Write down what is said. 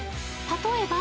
［例えば］